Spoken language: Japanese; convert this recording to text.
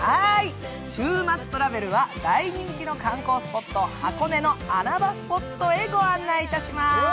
「週末トラベル」は大人気の観光スポット、箱根の穴場スポットへご案内いたします。